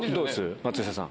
松下さん。